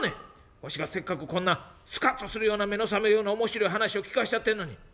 わしがせっかくこんなスカッとするような目の覚めるような面白い話を聞かしてやってんのに」。